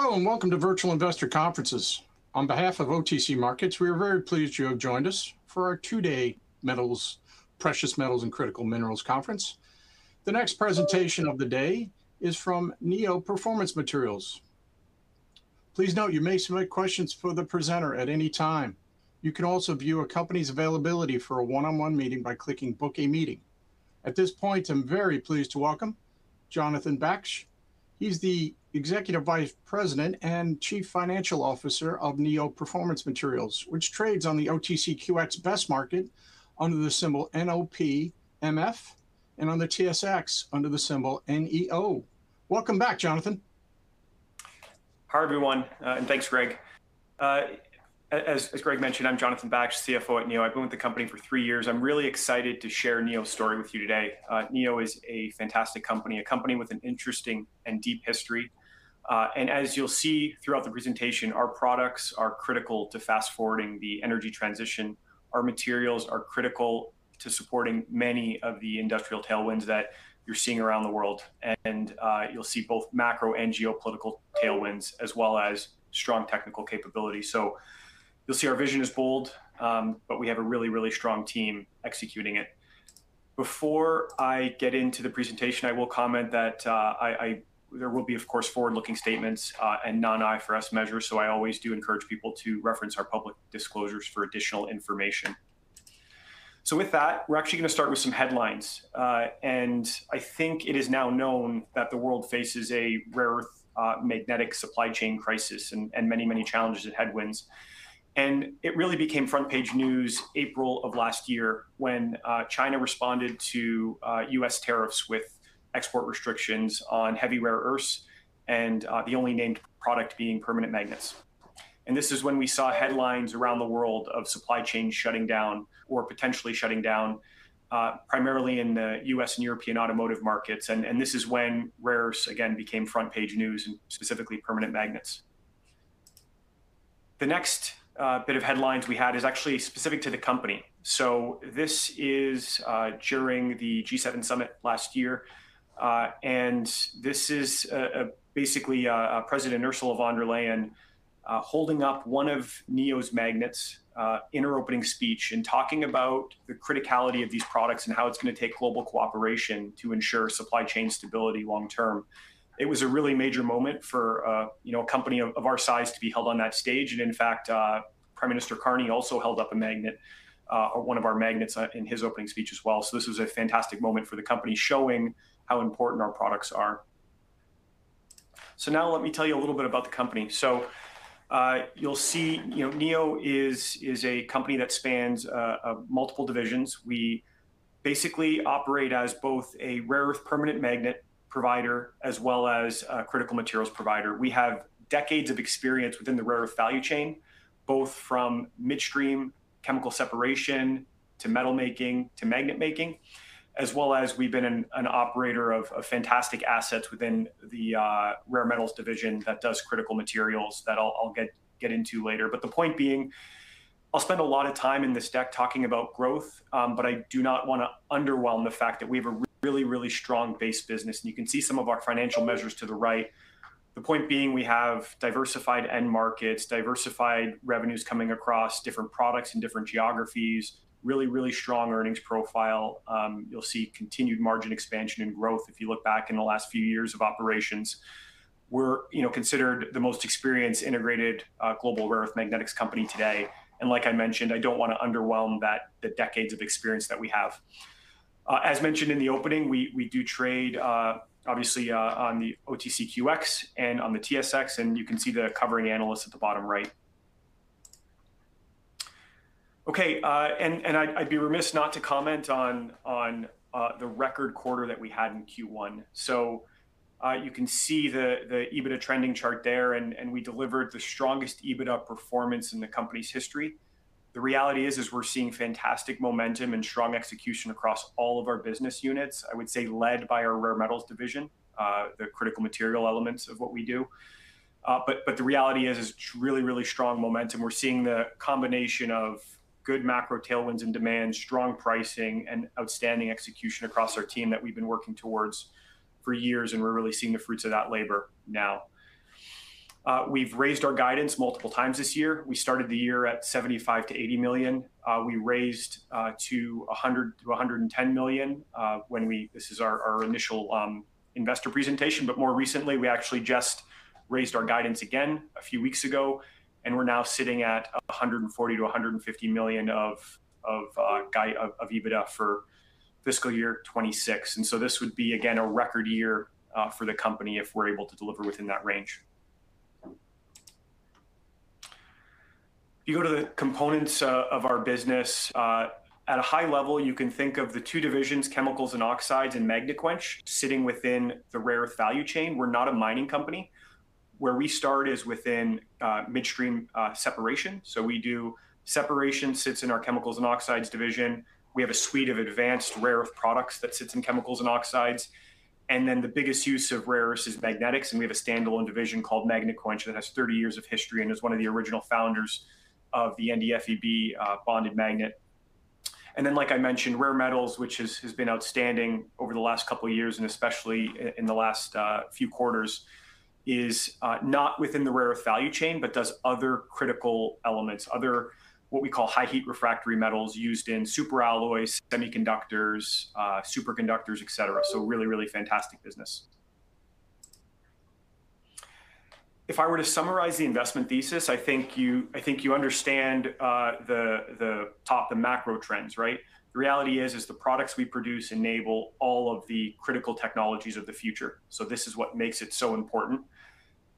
Hello, welcome to Virtual Investor Conferences. On behalf of OTC Markets, we are very pleased you have joined us for our two-day Precious Metals and Critical Minerals Conference. The next presentation of the day is from Neo Performance Materials. Please note, you may submit questions for the presenter at any time. You can also view a company's availability for a one-on-one meeting by clicking "Book a Meeting." At this point, I'm very pleased to welcome Jonathan Baksh. He's the Executive Vice President and Chief Financial Officer of Neo Performance Materials, which trades on the OTCQX Best Market under the symbol NOPMF and on the TSX under the symbol NEO. Welcome back, Jonathan. Hi, everyone, thanks, Greg. As Greg mentioned, I'm Jonathan Baksh, CFO at Neo. I've been with the company for three years. I'm really excited to share Neo's story with you today. Neo is a fantastic company, a company with an interesting and deep history. As you'll see throughout the presentation, our products are critical to fast-forwarding the energy transition. Our materials are critical to supporting many of the industrial tailwinds that you're seeing around the world. You'll see both macro and geopolitical tailwinds, as well as strong technical capability. You'll see our vision is bold, but we have a really strong team executing it. Before I get into the presentation, I will comment that there will be, of course, forward-looking statements and non-IFRS measures, I always do encourage people to reference our public disclosures for additional information. With that, we're actually going to start with some headlines. I think it is now known that the world faces a rare earth magnetic supply chain crisis and many challenges and headwinds. It really became front-page news April of last year when China responded to U.S. tariffs with export restrictions on heavy rare earths, and the only named product being permanent magnets. This is when we saw headlines around the world of supply chains shutting down or potentially shutting down, primarily in the U.S. and European automotive markets. This is when rare earths again became front-page news, and specifically permanent magnets. The next bit of headlines we had is actually specific to the company. This is during the G7 Summit last year. This is basically President Ursula von der Leyen holding up one of Neo's magnets in her opening speech and talking about the criticality of these products and how it's going to take global cooperation to ensure supply chain stability long term. It was a really major moment for a company of our size to be held on that stage. In fact, Prime Minister Carney also held up one of our magnets in his opening speech as well. This was a fantastic moment for the company, showing how important our products are. Now let me tell you a little bit about the company. You'll see Neo is a company that spans multiple divisions. We basically operate as both a rare earth permanent magnet provider as well as a critical materials provider. We have decades of experience within the rare earth value chain, both from midstream chemical separation to metal making to magnet making, as well as we've been an operator of fantastic assets within the Rare Metals Division that does critical materials. That I'll get into later. The point being, I'll spend a lot of time in this deck talking about growth, but I do not want to underwhelm the fact that we have a really, really strong base business, and you can see some of our financial measures to the right. The point being we have diversified end markets, diversified revenues coming across different products and different geographies, really, really strong earnings profile. You'll see continued margin expansion and growth if you look back in the last few years of operations. We're considered the most experienced integrated global rare earth magnetics company today. Like I mentioned, I don't want to underwhelm the decades of experience that we have. As mentioned in the opening, we do trade obviously on the OTCQX and on the TSX, and you can see the covering analysts at the bottom right. Okay. I'd be remiss not to comment on the record quarter that we had in Q1. You can see the EBITDA trending chart there, and we delivered the strongest EBITDA performance in the company's history. The reality is we're seeing fantastic momentum and strong execution across all of our business units. I would say led by our Rare Metals Division, the critical material elements of what we do. The reality is really, really strong momentum. We're seeing the combination of good macro tailwinds and demand, strong pricing, and outstanding execution across our team that we've been working towards for years, and we're really seeing the fruits of that labor now. We've raised our guidance multiple times this year. We started the year at $75 million-$80 million. We raised to $100 million-$110 million. This is our initial investor presentation. More recently, we actually just raised our guidance again a few weeks ago, and we're now sitting at $140 million-$150 million of EBITDA for fiscal year 2026. This would be, again, a record year for the company if we're able to deliver within that range. You go to the components of our business. At a high level, you can think of the two divisions, Chemicals and Oxides, and Magnequench sitting within the rare earth value chain. We're not a mining company. Where we start is within midstream separation. We do separation, sits in our Chemicals and Oxides Division. We have a suite of advanced rare earth products that sits in Chemicals and Oxides. The biggest use of rare earths is magnetics, and we have a standalone division called Magnequench that has 30 years of history and is one of the original founders of the NdFeB bonded magnet. Like I mentioned, Rare Metals, which has been outstanding over the last couple of years, and especially in the last few quarters, is not within the rare earth value chain, but does other critical elements, other what we call high heat refractory metals used in super alloys, semiconductors, superconductors, et cetera. Really, really fantastic business. If I were to summarize the investment thesis, I think you understand the top, the macro trends, right? The reality is the products we produce enable all of the critical technologies of the future. This is what makes it so important.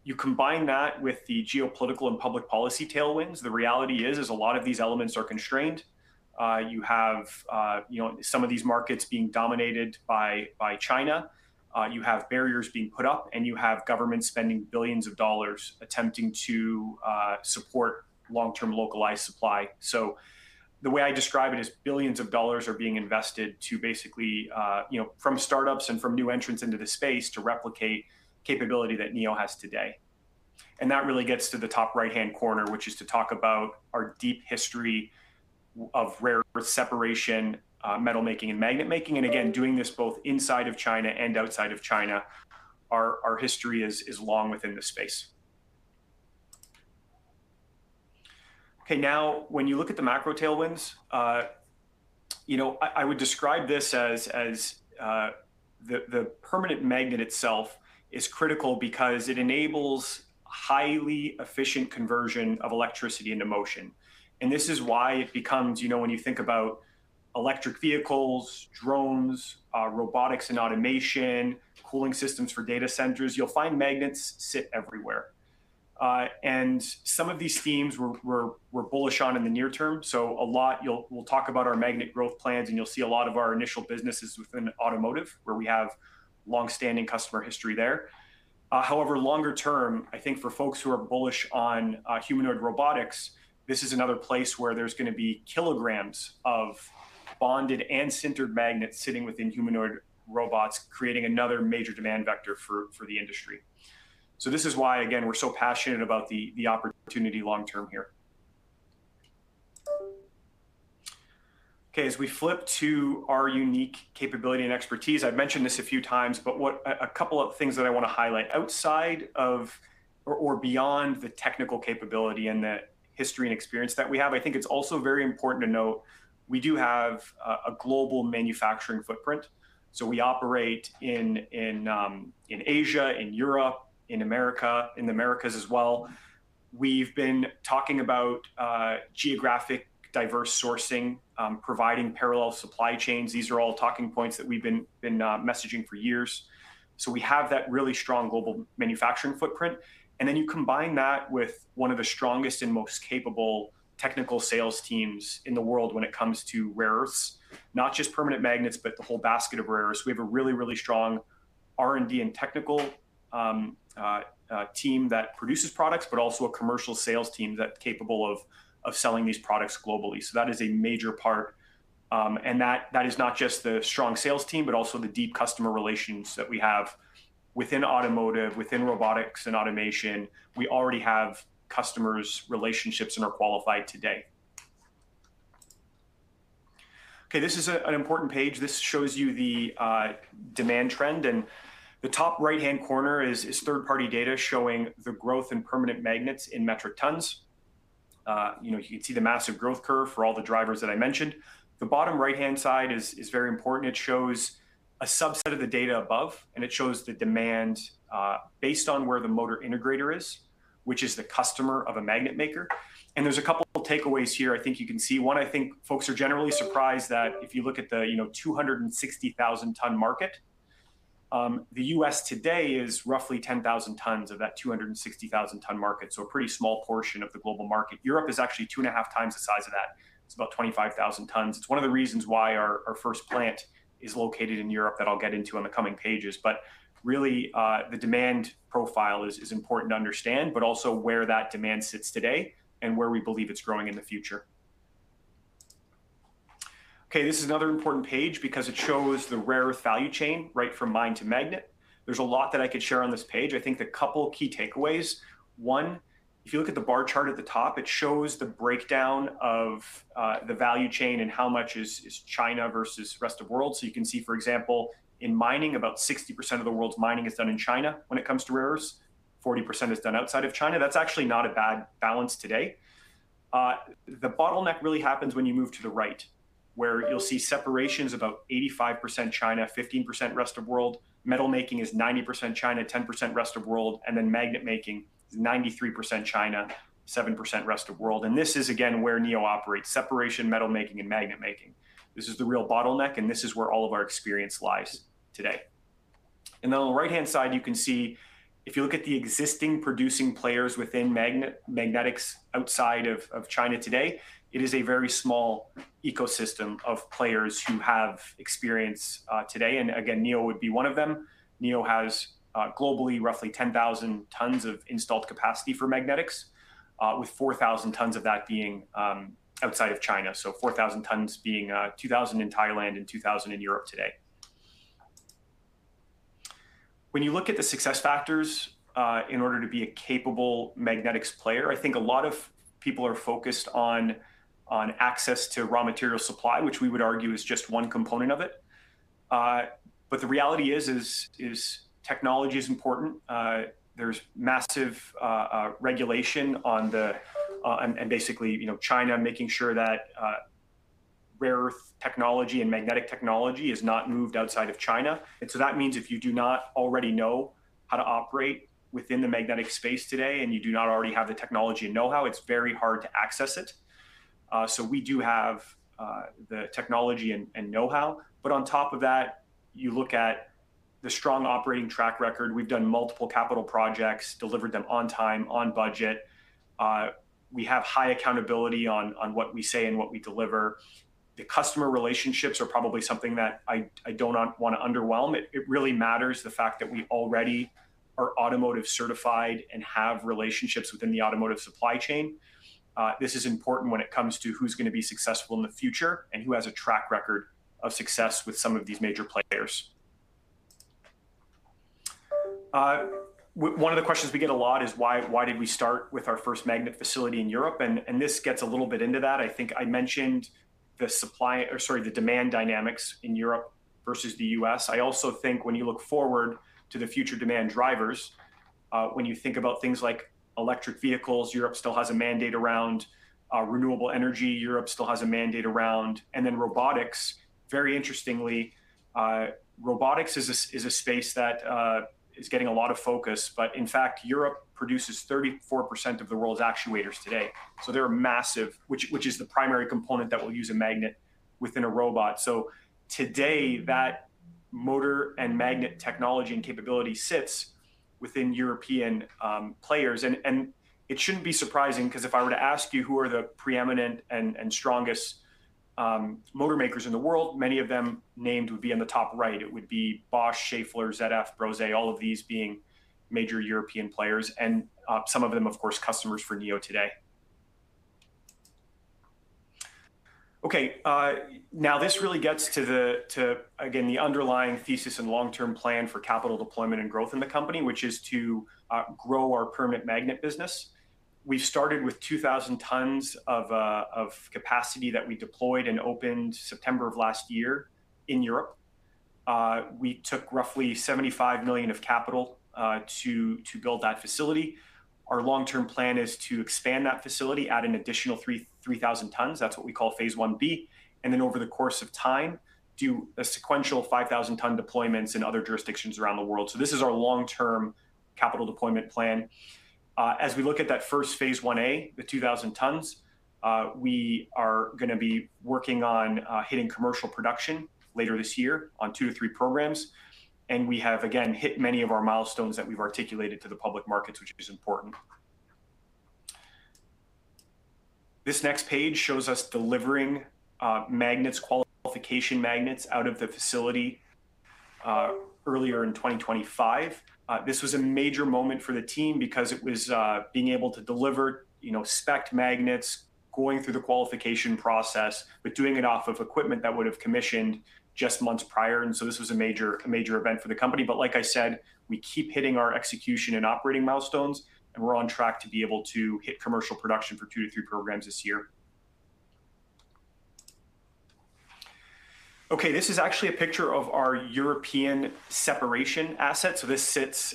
You combine that with the geopolitical and public policy tailwinds. The reality is, a lot of these elements are constrained. You have some of these markets being dominated by China. You have barriers being put up, and you have governments spending billions of dollars attempting to support long-term localized supply. The way I describe it is billions of dollars are being invested to basically, from startups and from new entrants into the space to replicate capability that Neo has today. That really gets to the top right-hand corner, which is to talk about our deep history of rare earth separation, metal making, and magnet making, and again, doing this both inside of China and outside of China. Our history is long within the space. When you look at the macro tailwinds, I would describe this as the permanent magnet itself is critical because it enables highly efficient conversion of electricity into motion. This is why when you think about electric vehicles, drones, robotics and automation, cooling systems for data centers, you'll find magnets sit everywhere. Some of these themes we're bullish on in the near term. We'll talk about our magnet growth plans, and you'll see a lot of our initial businesses within automotive, where we have longstanding customer history there. However, longer term, I think for folks who are bullish on humanoid robotics, this is another place where there's going to be kilograms of bonded and sintered magnets sitting within humanoid robots, creating another major demand vector for the industry. This is why, again, we're so passionate about the opportunity long term here. As we flip to our unique capability and expertise, I've mentioned this a few times, but a couple of things that I want to highlight outside of or beyond the technical capability and the history and experience that we have, I think it's also very important to note we do have a global manufacturing footprint. We operate in Asia, in Europe, in America, in the Americas as well. We've been talking about geographic diverse sourcing, providing parallel supply chains. These are all talking points that we've been messaging for years. We have that really strong global manufacturing footprint. Then you combine that with one of the strongest and most capable technical sales teams in the world when it comes to rare earths, not just permanent magnets, but the whole basket of rare earths. We have a really strong R&D and technical team that produces products, but also a commercial sales team that's capable of selling these products globally. That is a major part, not just the strong sales team, but also the deep customer relations that we have within automotive, within robotics and automation. We already have customer relationships and are qualified today. This is an important page. This shows you the demand trend, the top right-hand corner is third-party data showing the growth in permanent magnets in metric tons. You can see the massive growth curve for all the drivers that I mentioned. The bottom right-hand side is very important. It shows a subset of the data above, and it shows the demand based on where the motor integrator is, which is the customer of a magnet maker. There's a couple of takeaways here I think you can see. One, I think folks are generally surprised that if you look at the 260,000 ton market, the U.S. today is roughly 10,000 tons of that 260,000 ton market, so a pretty small portion of the global market. Europe is actually two and a half times the size of that. It's about 25,000 tons. It's one of the reasons why our first plant is located in Europe that I'll get into on the coming pages. Really, the demand profile is important to understand, but also where that demand sits today and where we believe it's growing in the future. Okay, this is another important page because it shows the rare earth value chain right from mine to magnet. There's a lot that I could share on this page. I think the couple key takeaways. One, if you look at the bar chart at the top, it shows the breakdown of the value chain and how much is China versus rest of world. You can see, for example, in mining, about 60% of the world's mining is done in China when it comes to rare earths. 40% is done outside of China. That's actually not a bad balance today. The bottleneck really happens when you move to the right, where you'll see separation's about 85% China, 15% rest of world. Metal making is 90% China, 10% rest of world, magnet making is 93% China, 7% rest of world. This is, again, where Neo operates, separation, metal making, and magnet making. This is the real bottleneck, and this is where all of our experience lies today. On the right-hand side, you can see if you look at the existing producing players within magnetics outside of China today, it is a very small ecosystem of players who have experience today. Again, Neo would be one of them. Neo has globally roughly 10,000 tons of installed capacity for magnetics, with 4,000 tons of that being outside of China. 4,000 tons being 2,000 in Thailand and 2,000 in Europe today. When you look at the success factors in order to be a capable magnetics player, I think a lot of people are focused on access to raw material supply, which we would argue is just one component of it. The reality is, technology is important. There's massive regulation. China making sure that rare earth technology and magnetic technology is not moved outside of China. That means if you do not already know how to operate within the magnetic space today, and you do not already have the technology know-how, it's very hard to access it. We do have the technology and know-how. On top of that, you look at the strong operating track record. We've done multiple capital projects, delivered them on time, on budget. We have high accountability on what we say and what we deliver. The customer relationships are probably something that I don't want to underwhelm. It really matters the fact that we already are automotive certified and have relationships within the automotive supply chain. This is important when it comes to who's going to be successful in the future and who has a track record of success with some of these major players. One of the questions we get a lot is why did we start with our first magnet facility in Europe? This gets a little bit into that. I think I mentioned the demand dynamics in Europe versus the U.S. I also think when you look forward to the future demand drivers, when you think about things like electric vehicles, Europe still has a mandate around renewable energy. Then robotics, very interestingly, robotics is a space that is getting a lot of focus. In fact, Europe produces 34% of the world's actuators today, so they're massive, which is the primary component that will use a magnet within a robot. Today, that motor and magnet technology and capability sits within European players. It shouldn't be surprising because if I were to ask you who are the preeminent and strongest motor makers in the world, many of them named would be in the top right. It would be Bosch, Schaeffler, ZF, Brose, all of these being major European players, and some of them, of course, customers for Neo today. This really gets to, again, the underlying thesis and long-term plan for capital deployment and growth in the company, which is to grow our permanent magnet business. We've started with 2,000 tons of capacity that we deployed and opened September of last year in Europe. We took roughly $75 million of capital to build that facility. Our long-term plan is to expand that facility, add an additional 3,000 tons. That's what we call phase I-B. Over the course of time, do a sequential 5,000-ton deployments in other jurisdictions around the world. This is our long-term capital deployment plan. As we look at that first phase I-A, the 2,000 tons, we are going to be working on hitting commercial production later this year on two to three programs. We have, again, hit many of our milestones that we've articulated to the public markets, which is important. This next page shows us delivering qualification magnets out of the facility earlier in 2025. This was a major moment for the team because it was being able to deliver spec'd magnets, going through the qualification process, but doing it off of equipment that would have commissioned just months prior. This was a major event for the company. Like I said, we keep hitting our execution and operating milestones. We're on track to be able to hit commercial production for two to three programs this year. This is actually a picture of our European separation asset. This sits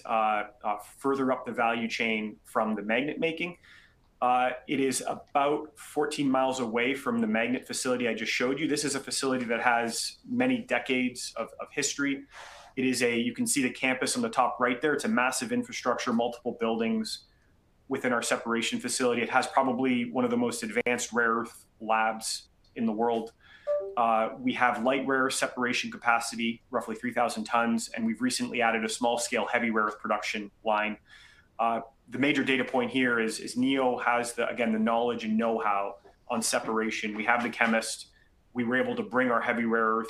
further up the value chain from the magnet making. It is about 14 miles away from the magnet facility I just showed you. This is a facility that has many decades of history. You can see the campus on the top right there. It's a massive infrastructure, multiple buildings within our separation facility. It has probably one of the most advanced rare earth labs in the world. We have light rare separation capacity, roughly 3,000 tons, and we've recently added a small-scale heavy rare earth production line. The major data point here is Neo has, again, the knowledge and know-how on separation. We have the chemist. We were able to deploy our heavy rare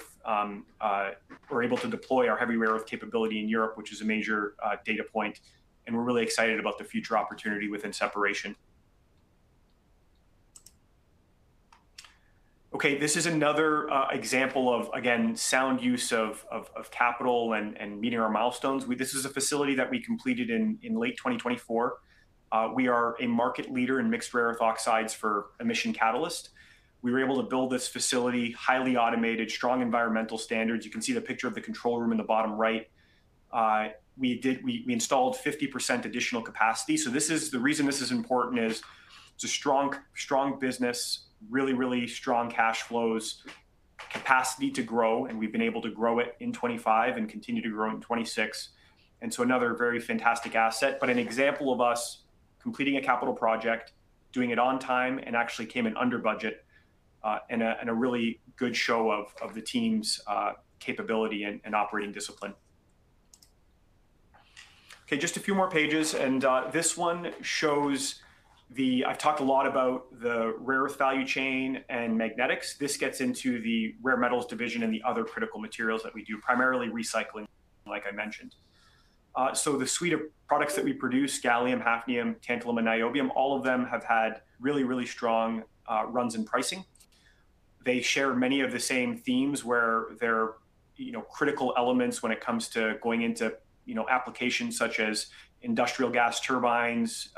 earth capability in Europe, which is a major data point, and we're really excited about the future opportunity within separation. This is another example of, again, sound use of capital and meeting our milestones. This is a facility that we completed in late 2024. We are a market leader in mixed rare earth oxides for emission catalyst. We were able to build this facility, highly automated, strong environmental standards. You can see the picture of the control room in the bottom right. We installed 50% additional capacity. The reason this is important is it's a strong business, really strong cash flows, capacity to grow, and we've been able to grow it in 2025 and continue to grow in 2026. Another very fantastic asset, but an example of us completing a capital project, doing it on time, and actually came in under budget in a really good show of the team's capability and operating discipline. Just a few more pages, this one shows the. I've talked a lot about the rare earth value chain and magnetics. This gets into the rare metals division and the other critical materials that we do, primarily recycling, like I mentioned. The suite of products that we produce, gallium, hafnium, tantalum, and niobium, all of them have had really strong runs in pricing. They share many of the same themes where they're critical elements when it comes to going into applications such as industrial gas turbines,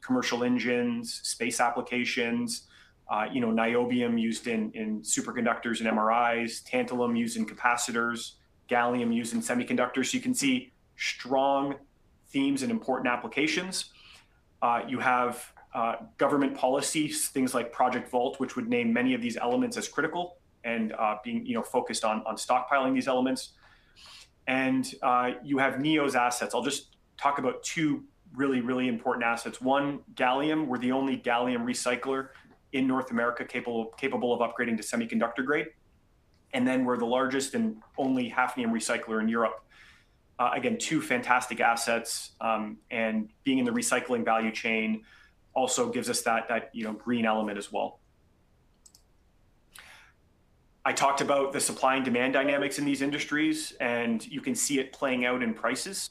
commercial engines, space applications, niobium used in superconductors and MRIs, tantalum used in capacitors, gallium used in semiconductors. You can see strong themes and important applications. You have government policies, things like Project Vault, which would name many of these elements as critical and being focused on stockpiling these elements. You have Neo's assets. I'll just talk about two really important assets. One, gallium. We're the only gallium recycler in North America capable of upgrading to semiconductor grade, and then we're the largest and only hafnium recycler in Europe. Two fantastic assets, and being in the recycling value chain also gives us that green element as well. I talked about the supply and demand dynamics in these industries, you can see it playing out in prices.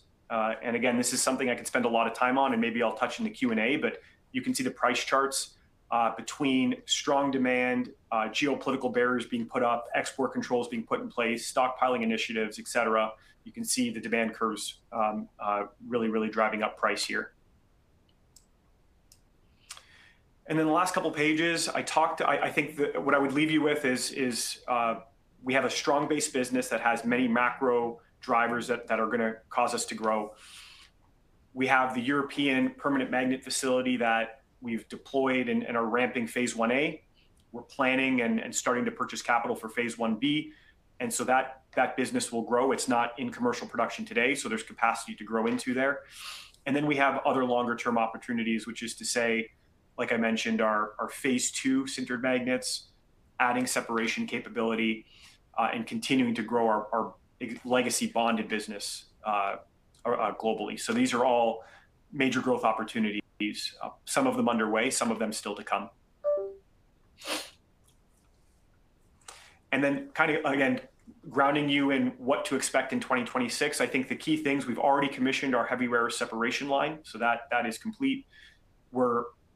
This is something I could spend a lot of time on, maybe I'll touch in the Q&A, but you can see the price charts between strong demand, geopolitical barriers being put up, export controls being put in place, stockpiling initiatives, et cetera. You can see the demand curves really driving up price here. The last couple of pages, I think what I would leave you with is we have a strong base business that has many macro drivers that are going to cause us to grow. We have the European permanent magnet facility that we've deployed and are ramping phase I-A. We're planning and starting to purchase capital for phase I-B. That business will grow. It's not in commercial production today, there's capacity to grow into there. We have other longer-term opportunities, which is to say, like I mentioned, our phase II sintered magnets, adding separation capability, and continuing to grow our legacy bonded business globally. These are all major growth opportunities, some of them underway, some of them still to come. Again, grounding you in what to expect in 2026, I think the key things, we have already commissioned our heavy rare earth separation line. That is complete. We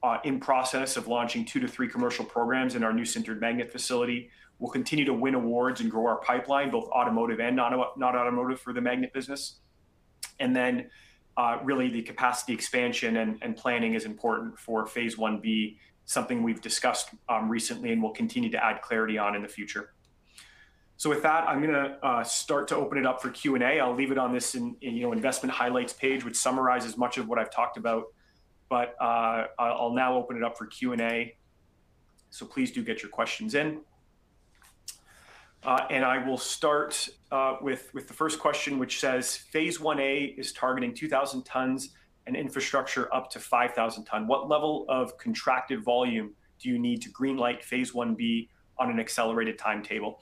are in process of launching two to three commercial programs in our new sintered magnet facility. We will continue to win awards and grow our pipeline, both automotive and not automotive for the magnet business. Really the capacity expansion and planning is important for phase I-B, something we have discussed recently and will continue to add clarity on in the future. With that, I am going to start to open it up for Q&A. I will leave it on this investment highlights page, which summarizes much of what I have talked about. I will now open it up for Q&A. Please do get your questions in. I will start with the first question, which says: phase I-A is targeting 2,000 tons and infrastructure up to 5,000 tons. What level of contracted volume do you need to green-light phase I-B on an accelerated timetable?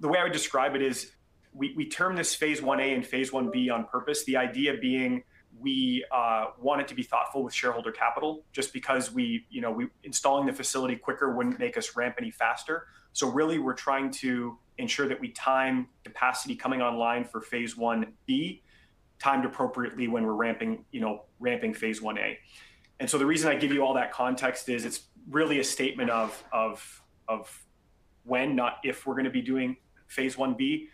The way I would describe it is we term this phase I-A and phase 1B on purpose. The idea being we wanted to be thoughtful with shareholder capital. Just because installing the facility quicker would not make us ramp any faster. We are trying to ensure that we time capacity coming online for phase I-B timed appropriately when we are ramping phase I-A. The reason I give you all that context is it is really a statement of when, not if, we are going to be doing phase I-B.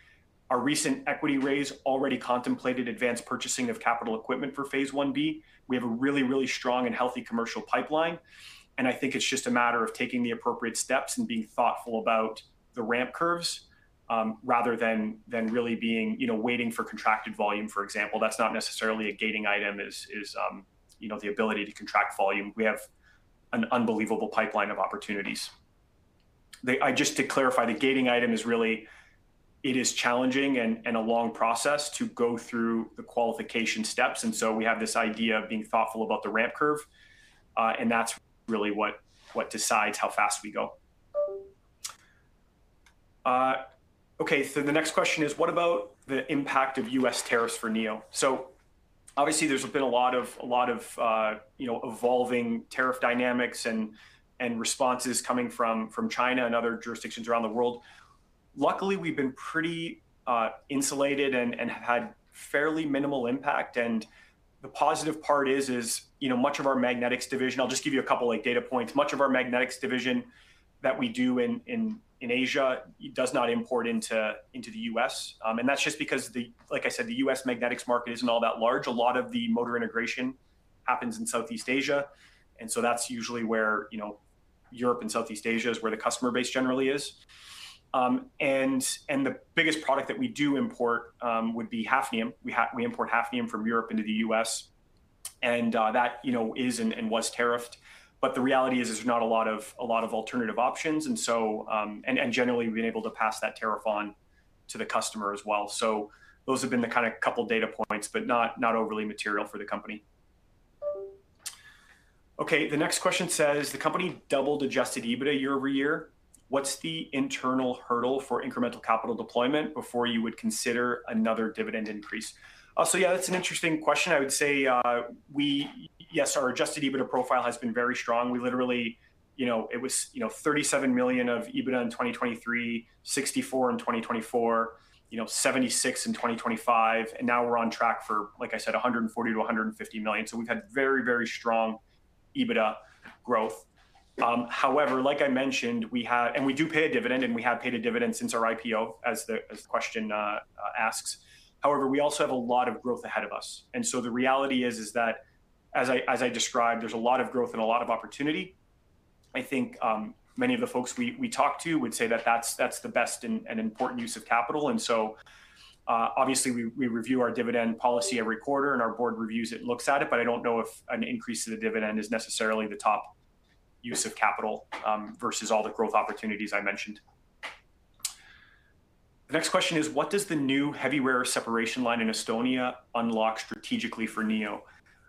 Our recent equity raise already contemplated advanced purchasing of capital equipment for phase I-B. We have a really strong and healthy commercial pipeline. I think it is just a matter of taking the appropriate steps and being thoughtful about the ramp curves, rather than really waiting for contracted volume, for example. That is not necessarily a gating item, is the ability to contract volume. We have an unbelievable pipeline of opportunities. Just to clarify, the gating item is really it is challenging and a long process to go through the qualification steps. We have this idea of being thoughtful about the ramp curve, and that is really what decides how fast we go. The next question is, what about the impact of U.S. tariffs for Neo? There has been a lot of evolving tariff dynamics and responses coming from China and other jurisdictions around the world. Luckily, we have been pretty insulated and had fairly minimal impact. The positive part is much of our magnetics division-- I will just give you a couple data points. Much of our magnetics division that we do in Asia does not import into the U.S. That is just because, like I said, the U.S. magnetics market is not all that large. A lot of the motor integration happens in Southeast Asia. That is usually where Europe and Southeast Asia is where the customer base generally is. The biggest product that we do import would be hafnium. We import hafnium from Europe into the U.S., and that is and was tariffed. The reality is there's not a lot of alternative options, and generally, we've been able to pass that tariff on to the customer as well. Those have been the kind of couple data points, but not overly material for the company. Okay, the next question says: The company doubled adjusted EBITDA year-over-year. What's the internal hurdle for incremental capital deployment before you would consider another dividend increase? Yeah, that's an interesting question. I would say, yes, our adjusted EBITDA profile has been very strong. It was $37 million of EBITDA in 2023, $64 million in 2024, $76 million in 2025, and now we're on track for, like I said, $140 million-$150 million. We've had very strong EBITDA growth. Like I mentioned, and we do pay a dividend, and we have paid a dividend since our IPO, as the question asks. We also have a lot of growth ahead of us. The reality is that, as I described, there's a lot of growth and a lot of opportunity. I think many of the folks we talk to would say that that's the best and important use of capital. Obviously we review our dividend policy every quarter, and our board reviews it, looks at it, but I don't know if an increase to the dividend is necessarily the top use of capital versus all the growth opportunities I mentioned. The next question is, "What does the new heavy rare earth separation line in Estonia unlock strategically for Neo?"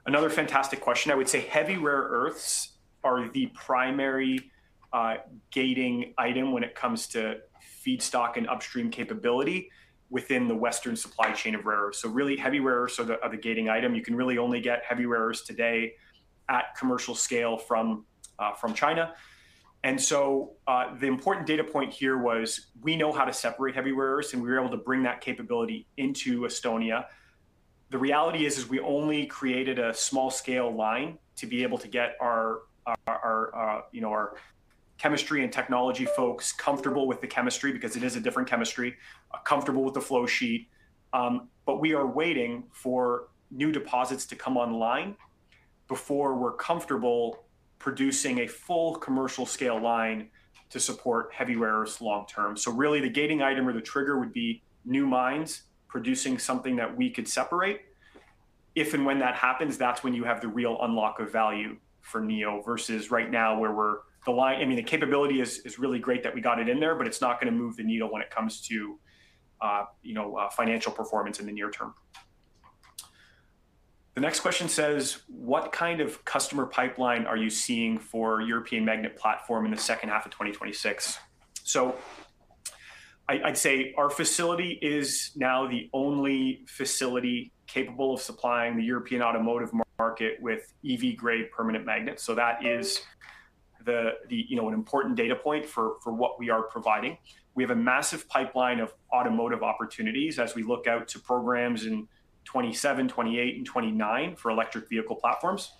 Another fantastic question. I would say heavy rare earths are the primary gating item when it comes to feedstock and upstream capability within the Western supply chain of rare earths. Really heavy rare earths are the gating item. You can really only get heavy rare earths today at commercial scale from China. The important data point here was we know how to separate heavy rare earths, and we were able to bring that capability into Estonia. The reality is we only created a small-scale line to be able to get our chemistry and technology folks comfortable with the chemistry because it is a different chemistry, comfortable with the flow sheet. We are waiting for new deposits to come online before we're comfortable producing a full commercial scale line to support heavy rare earths long term. Really the gating item or the trigger would be new mines producing something that we could separate. If and when that happens, that's when you have the real unlock of value for Neo versus right now. The capability is really great that we got it in there, but it's not going to move the needle when it comes to financial performance in the near term. The next question says, "What kind of customer pipeline are you seeing for European magnet platform in the second half of 2026?" I'd say our facility is now the only facility capable of supplying the European automotive market with EV-grade permanent magnets. That is an important data point for what we are providing. We have a massive pipeline of automotive opportunities as we look out to programs in 2027, 2028, and 2029 for electric vehicle platforms.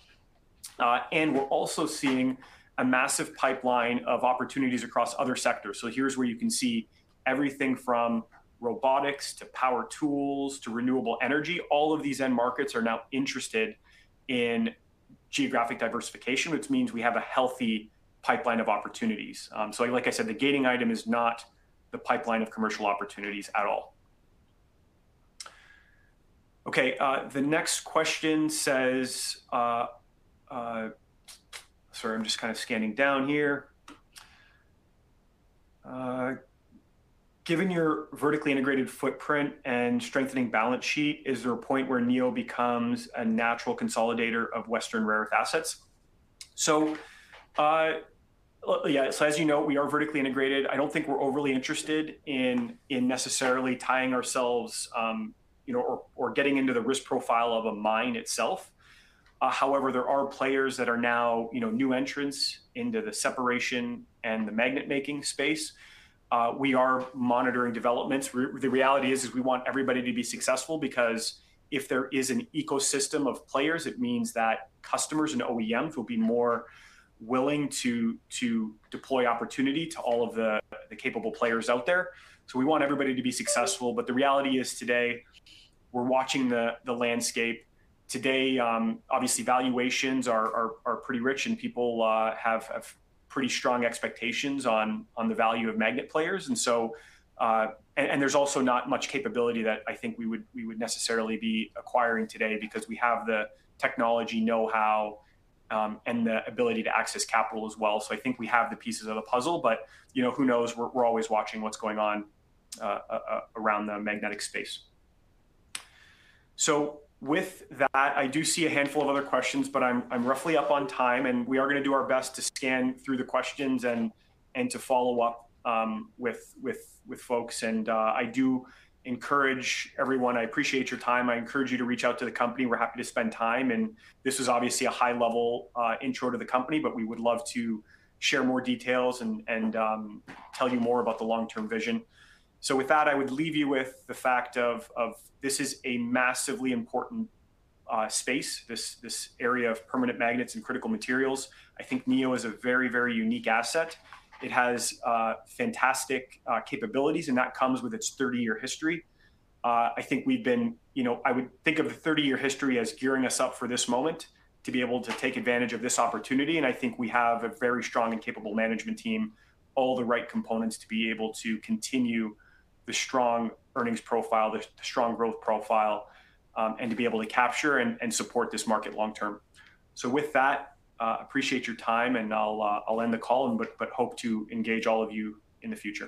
We're also seeing a massive pipeline of opportunities across other sectors. Here's where you can see everything from robotics to power tools to renewable energy. All of these end markets are now interested in geographic diversification, which means we have a healthy pipeline of opportunities. Like I said, the gating item is not the pipeline of commercial opportunities at all. The next question says: "Given your vertically integrated footprint and strengthening balance sheet, is there a point where Neo becomes a natural consolidator of Western rare earth assets?" As you know, we are vertically integrated. I don't think we're overly interested in necessarily tying ourselves or getting into the risk profile of a mine itself. However, there are players that are now new entrants into the separation and the magnet-making space. We are monitoring developments. The reality is we want everybody to be successful because if there is an ecosystem of players, it means that customers and OEMs will be more willing to deploy opportunity to all of the capable players out there. We want everybody to be successful, but the reality is today we're watching the landscape. Today, obviously, valuations are pretty rich, and people have pretty strong expectations on the value of magnet players, and there's also not much capability that I think we would necessarily be acquiring today because we have the technology know-how, and the ability to access capital as well. I think we have the pieces of the puzzle, but who knows? We're always watching what's going on around the magnetic space. With that, I do see a handful of other questions, but I'm roughly up on time, and we are going to do our best to scan through the questions and to follow up with folks. I do encourage everyone. I appreciate your time. I encourage you to reach out to the company. We're happy to spend time, and this was obviously a high-level intro to the company, but we would love to share more details and tell you more about the long-term vision. With that, I would leave you with the fact of this is a massively important space, this area of permanent magnets and critical materials. I think Neo is a very unique asset. It has fantastic capabilities, and that comes with its 30-year history. I would think of the 30-year history as gearing us up for this moment to be able to take advantage of this opportunity, and I think we have a very strong and capable management team, all the right components to be able to continue the strong earnings profile, the strong growth profile, and to be able to capture and support this market long term. With that, appreciate your time and I'll end the call, but hope to engage all of you in the future.